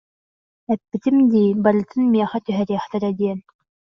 Эппитим дии, барытын миэхэ түһэриэхтэрэ диэн